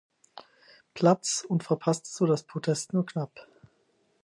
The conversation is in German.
Platz und verpasste so das Podest nur knapp.